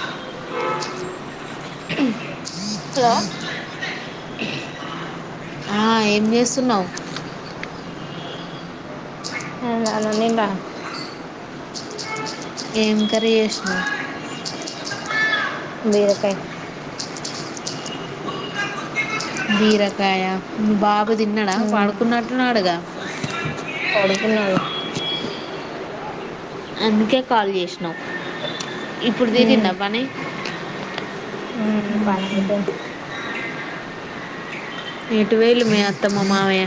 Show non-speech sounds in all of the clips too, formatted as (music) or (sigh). (inaudible) ఉమ్ hello ఆ ఏం చేస్తున్నావు ఉమ్ అన్నిండను ఏం కర్రీ చేసినవు బీరకాయ్ బీరకాయ మీ బా బు తిన్నాడా మ్మ్ పడుకున్నట్టు ఉన్నాడు గా పడుకున్నాడు అందుకే కాల్ జేసినావ్ ఇప్పుడు మ్మ్ తీరిందా పని మ్మ్ పని అయిపోయింది ఎటు పోయింలు మీ అత్తమ్మ మావయ్య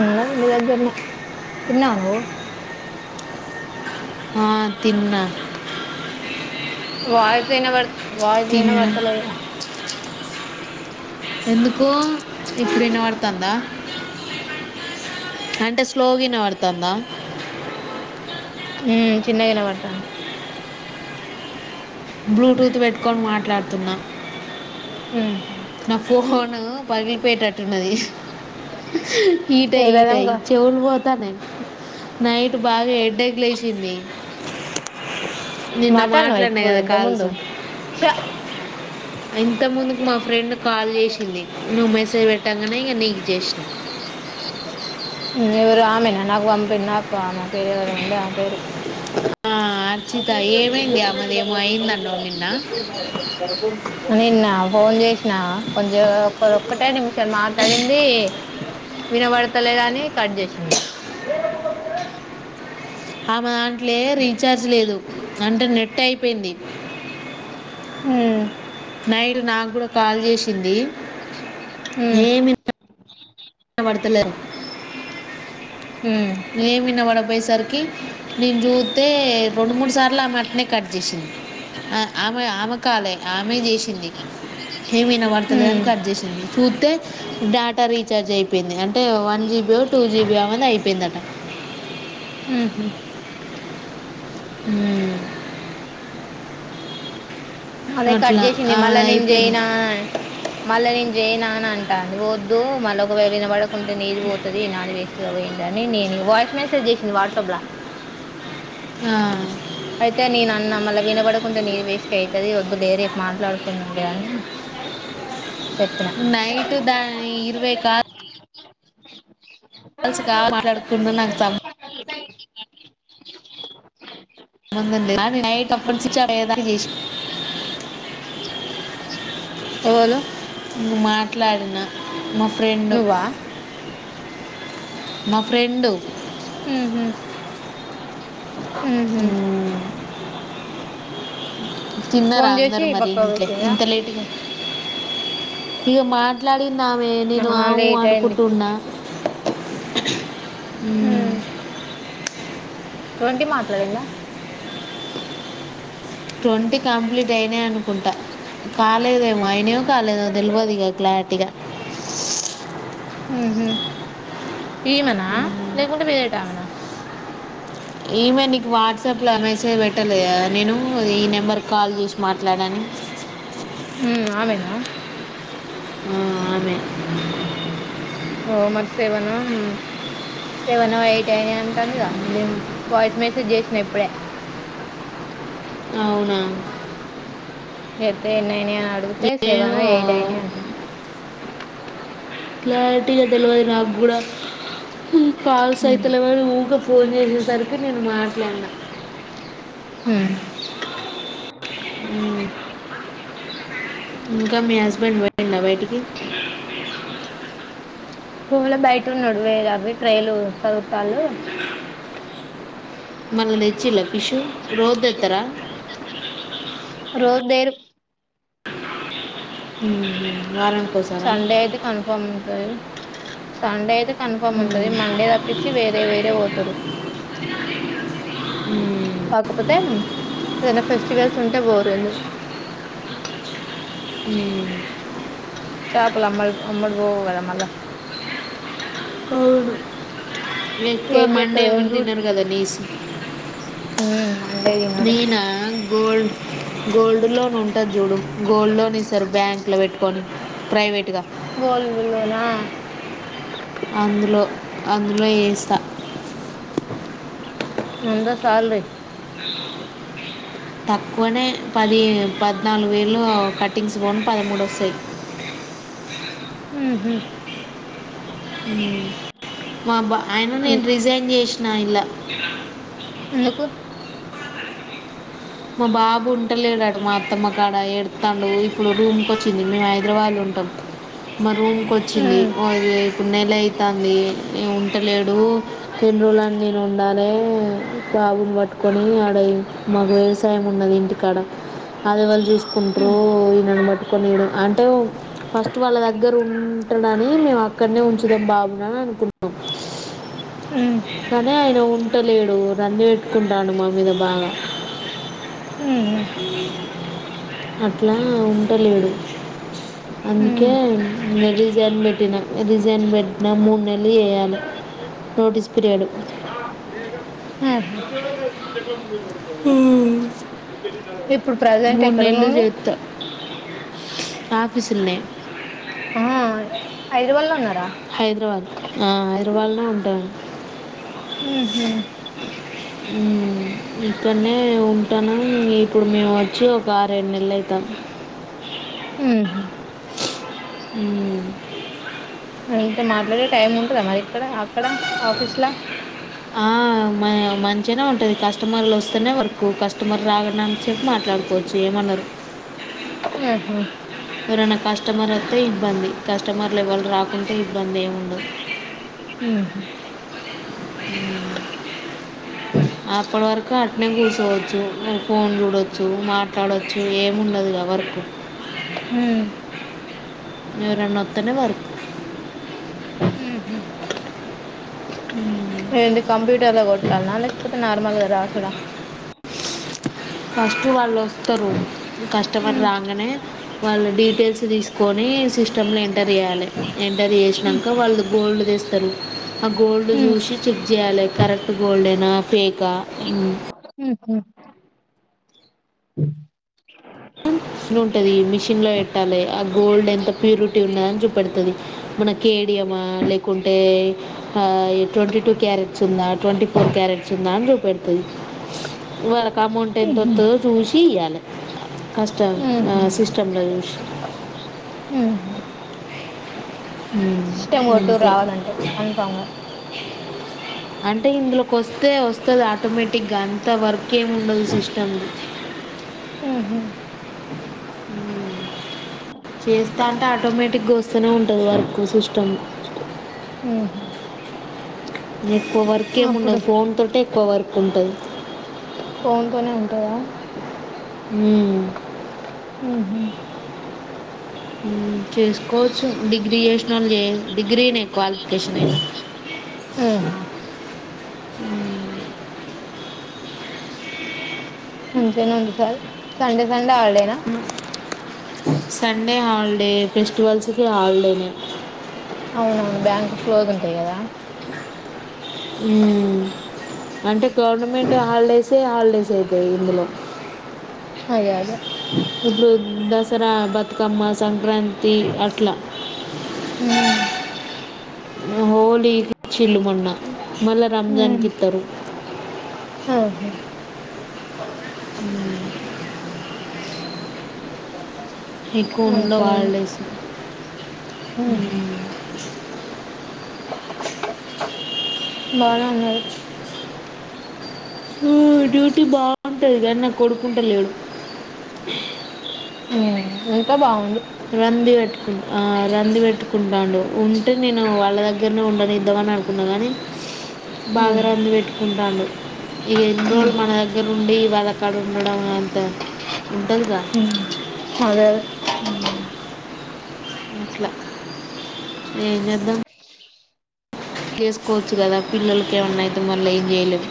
ఉన్నారు ఇంటి దగ్గర్నే తిన్నావా నువ్వు ఆ తిన్న వాయిస్ ఇనబడద్ వాయిస్ తిన్నా ఇనబడతలేదు ఎందుకో ఇప్పుడు ఇనపడుతందా అంటే స్లోగా ఇనపాడత్ తన్నా ఉ చిన్నగిన ఇనపడుతంది బ్లూటూత్ పెట్టుకొని మాట్లాడుతున్నా ఉమ్ నా ఫోను పగిలిపోయేటట్టున్నది ఈట ఈ అయి ఈట అయి విధంగా చెవులు పోతానాయి నైట్ బాగా హెడేక్ లేసింది మతానావ ఇప్పుడు ఇంతక ముందు ఇంత ముందుకు మా ఫ్రెండ్ కాల్ జేష్ ది నువ్ మెసేజ్ వెేట్టంగానే జేష్ణ ఎవరు ఆమెనా నాకు పంపి నాకు ఆమె పేరువరు ఉండే ఆ పేరు ఆ, అర్చిత ఏమైంది ఆమెదేమో అయిందండవు నిన్న (unintelligible) నిన్న ఫోన్ చేసిన కొంచెం ఒరు ఒక్కటే నిమిషం మాట్లాడింది వినబడతలేదా అని కట్ చేసింది అమెదన్ ట్లే రీచార్జ్ లేదు అంటే నెట్ అయిపోయింది మ్మ్ నైట్ నాకు కూడా కాల్ చేసింది హ్మ్ ఏమి (inaudible) ఎత్తలేదు హ్మ్ ఏం ఇనబడకపొయ్యే సరికి నేను చూతే రొండు మూడు సార్లు ఆ మంటనే కట్ చేసింది ఆమె ఆమె కాలే ఆమె చేసింది ఏం ఇనపడ్తలేదు హ్మ్ కట్ చేసింది చూస్తతే డేటా రీచార్జ్ అయిపోయింది అంటే వన్ జి బి ఇయో టూ జీ బీ అమని అయిపోయిందట హ్మ్ హు మ్మ్ అదే కట్ అట్లా చేసింది ఆమె మళ్ళా నేను అయిపోయింది చేయనా మళ్ళా నను వేనా అని అంటాంది పోద్దు మళ్ళీ ఒక వినబడకుంటే నీది పోతది నాది వేస్ట్గా పోయిందిని నేను వాయిస్ మెసేజ్ చేసింది వాట్సాప్ ల ఆ తే నేను అన్న మల్ల వినబడకుం నీది వేస్ట్ అవుతుది వద్దు లే రేపు మాట్లాడుకుందాం లే అని చెప్పిన నైట్ దా ఇరువ కా అ మాట్లాడుకుంటూ నాకు (unintelligible) (inaudible) (inaudible) అ అప్ప అేదా (unintelligible) చెప్ప ఎవరు ను మాట్లాడిన మా ఫ్రెండు నువ్వా మా ఫ్రెండు ఉహు ఉహు తిన్నారా ఫోన్ చేసి అందరు మరి పక్కకు పెట్టిందా ఇంత లేటుగా ఇగ మాట్లాడలే నావే నేను ఆహా ఆ వు లేట్ అయింది అనుకుంటున్నా (inaudible) మ్మ్ ఉమ్ ట్వంటీ మాట్లాడిందా ట్వంటీ కంప్లీట్ అయినాయి కుంట కాలేదేమో అయినియో కాలేదో తెల్వదు ఇగ క్లారిటీగా ఉహు ఈమెనా లేకుంటే వేరేట ఆమేనా ఈమె నీకు వాట్సాప్ లో మెసేజ్ పెట్టాలేదా నేను ద ఈ నెంబర్కి కాల్ చేసి మాట్లాడనీ ఉమ్ ఆమేనా ఉమ్ ఆమె ఓ మరి సెవెన్ సెవెన్ ఎయిట్ అయినా అంటుందిగా నేను వాయిస్ మెసేజ్ చేసిన ఇప్పుడే అవునా యేతె ఎన్ని అయినా అని అడిగితే ఏమో సెవెన్ ఎయిట్ అయినా అంటు క్లారిటీగా తెలివాదు నాకు కూడా కాల్స్ ఉమ్ అయిత్లేవని వ ఊగా ఫోన్ చేసే సరికి నేను మాట్లాడినా హమ్ ఆమ్ (inaudible) ఇంకా మీ హస్బెండ్ పోయిండ బయటికి భూములో బయట ఉన్నాడు వే అవి ట్రైలు చదువుతాలు మళ్ళ తెచ్చిండ ఫిషు రోజు తెస్తారా ఎ (unintelligible) రోజుదేరు ఆ వారం రొ సండే అయితే కన్ఫర్మ్ ఉంటది సండే ఆయి కన్ఫర్మ్ ఉంటది మండే తప్పించి వేరే వేరే పోతరు ఉమ్ కాకపోతే ఏదనా ఫెస్టివల్స్ ఉంటే బోరు ఎందు ఉమ్ చాపుల అమ్మ అమ్మడు పోవు కదా మళ అవును ఎక్కువ ఏం మండే చేస్తావు ఏం ఎవరు డ్యూటీ తిన్నారు కదా నీసి మండే తినరు ఈన గోల్డ్ గోల్డ్ లోన్ ఉంటుంది చూడు గోల్డ్ లోన్ ఇస్తారు బ్యాంక్ అట్ల పెట్టుకొని ప్రైవేట్గా గోల్ డ్ లోనా అందులో అందులో ఏసా ముంద సాల రే తక్కువనే పది పద్నాలుగు వేళ్ళ కటింగ్స్ పోను పదమూడవ వాస్తయ్ హ హ ఉమ్ము మాబ్బా ఆయన నేను రిజైన్ చేశ్ నా ఇలా ఎందుకు మా బాబు ఉంటలేడాట మా అత్తమ్మ కాడ ఎడతాండు ఇప్పుడు రూమ్కి వచ్చింది మేము హైదరాబాద్ లో ఉంటాం రూమ్కి వచ్చింది ఇప్పుడు నెల ఆయితంది కట్టలేడు ఎెన్ని రోజులన్ నేను ఉండాలే జాబులు పట్టుకొని ఆడ మగ వేస్ యం ఉన్నది ఇంటికాడ అది వల్ జూస్తే కుంట్రు ఈ నన్ మట్ కొనిడు అంటే ఫస్ట్ వాళ్ళ దగ్గర ఉంటడని మేము అక్కనే ఉంచుదాం బాబును అనుకుంన్నాం ఉమ్ కానీ ఆయన ఉండలేడు రంధి వెట్ కుంటాఅండూ మా మీద బాగా అట్లా ఉంటలేడు అందుకే నెలీజన్ పెట్టినా రీజైన్ పెట్నా మూనెళ్ ళ్ చేయాలే నోటీస్ పీరియడ్ హ స ఇప్పుడు ప్రజెంట్ మూన్నెళ్ ఎక్కడున్నావు నువ్వు చేత ఆ ఫసిందే ఆ హైదరాబాద్ లో ఉన్నారా హైదరాబాద్ ఆ హైదరాబాద్నే ఉంటా ఉంహు ఇక్కడనే ఉంటాను ఇప్పుడు మేము వచ్చి ఒక ఆ రెండు నెలలు అవుతాం హ్ము ఉమ్ ఇంతో మాట్లాడే టైం ఉంటద మరి ఇక్కడ అక్కడ ఆఫీస్ లా ఆ మ మంచిగానే ఉంటది కస్టమర్లు వస్తేనే వర్కు కస్టమర్ రాకున్నంతసేపు మాట్లాడుకోవచ్చు ఏమనరు ఉహు ఏరన్న కస్టమర్ వస్తే ఇబ్బంది కస్టమర్లులెవల్ రాకుంటే ఇబ్బంది ఏముండదు ఉమ్ అప్పుడు వరకు ఆ నేను కూర్చోవచ్చును ఫోన్ చూడచ్చు మాట్ తడొచ్చు ఏముండదు గా వర్క్ ఉమ్ యోరన్నోతే నే వర్క్ ఉమ్ హు లేదంటే కంప్యూటర్ లో కొ ట్ కనా లేకుపోతే నార్మల్ రాసుడ ఫస్ట్ వాళ్ళు వస్తారు కస్టమర్ ఉమ్ రాగానే వాళ్ళు డీటెయిల్స్ తీసుకొని సిస్టలోంట ఎంటర్ చేయాలి ఎంటర్ చేసినాక వాళ్ళు గోల్డ్ తీస్ తరు ఆ గోల్డ్ ఉమ్ జూసి చెప్ జేయాలె కరెక్ట్ గోల్డెనా ఫేకా మ్మ్ హ్మ్ మ్ మిష్నుంటది మిషిన్లో వెట్టాలి ఆ గోల్డ్ ఎంత ప్యూరిటీ ఉన్నద అని చూపెడుతుంది. మన కేడియమా లేకుంటే ఆహ్ ట్వంటీ టూ క్యారెట్స్ ఉందా, ట్వంటీ ఫోర్ క్యారెట్స్ ఉందా అని చూపెడుతుంది వా, అమౌంట్ ఎంత ఉహు వత్తదో చూసి ఇయ్యాలె కస్ టం ఆ ఉహు సిస్టమ్ లేదు ఆహా సిస్టం ఒకటుూ అంతే రావాలంటవ్ కన్ఫామ్ గా అంటే ఇందులోకి వస్తే వస్తది ఆటోమేటిక్గా అంత వర్క్ ఏముండదు సిస్టమ్ ది. మ్మ్ హ్మ్ మ్మ్ చేస్తాంటే ఆటోమేటిక్ గా వస్తూనే ఉంటది వర్క్ సిస్టమ్. ఉహు ది వర్క్ అప్పుడు ఏముండవు ఫోన్ తోటే కోవర్కుంటది ఫోన్ తోనే ఉంటదా హ్మ్ మ్మ్ హ్మ్ మ్మ్ చేసుకోవచ్చు డిగ్రీ చేసిన వాళ్ చే డిగ్రీనే క్వాలిఫికేషన్ ఇగ ఆహ మ్మ్ నుంచి అయిన ఉంటేసాల్ సండే సండే నావల్లేనా సండే హాలిడే ఫెస్టివల్స్కి హాలిడేనే అవును అవును బ్యాంక్ క్లోజ్ ఉంటాయి కదా మ్మ్ అంటే గవర్నమెంట్ హాలిడేసే హాలిడేస్ అయితాయి ఇందులో. అదే అదే ఇప్పుడు దసరా బతుకమ్మ సంక్రాంతి అట్లా హ్మ్ హోలీచ్చిల్లు మొన్న మళ్ళా రంజాన్ కి ఉమ్ ఇత్తరు ఆహా హ్మ్ ఎక్కువ ఉండవ్ మంచిగానే ఉంది హాల్డేసు ఉహు హ్మ్ బాగా ఉన్నారు మ్మ్ డ్యూటీ బాగుంటది గానీ నా కొడుకుంట లేడు. ఇదంతా బాగుంది ఆ రంది వెట్టుకుంటాండు ఉంటే నేను వాళ్ళ దగ్గరనే ఉండనిద్దామని అనుకున్నా కానీ ఉమ్ బాగా రంది వెట్టుకుంటాండు. ఈ ఇన్ని రోజులు ఉమ్ మన దగ్గర ఉండి. వాళ్ళ కాడ ఉండడం అంత ఉంటదిగా. ఉమ్ అదే అదే ఏం జెదాం చేసుకోవచ్చు కదా పిల్లలకి ఏమన్నయితే మళ్ళ ఏం చేయలేము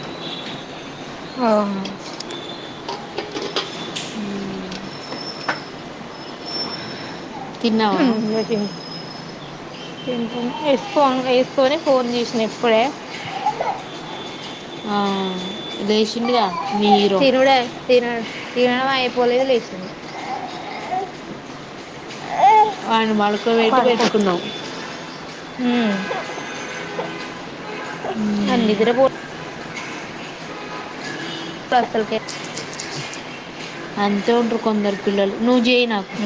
ఆ తిన్నావా తింటున వేసుకో వేసుకని ఫోన్ చేసిన ఇప్పుడే ఆ లేషిండుగా తినుడే తిన తినడం ఐపో బోలె ఇగ లేషిండు హ్యాండు మలు ఊ ఆడ్ నిదర బోడ్ అసలుకె అంతే ఉంటరు కొందరు పిల్లలు నువ్వు చెయి నాకు